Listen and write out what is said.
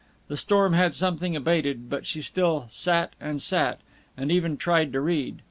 The storm had somewhat abated, but she still "sat and sat," and even tried to read.